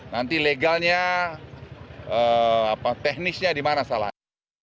nanti legalnya teknisnya di mana salahnya